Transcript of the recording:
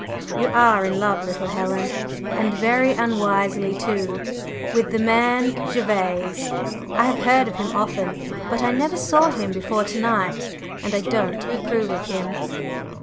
You are in love, little Helen and very unwisely, too with the man Gervase. I have heard of him often, but I never saw him before to night. And I don't approve of him."